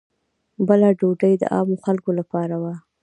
بله ډوډۍ د عامو خلکو لپاره وه.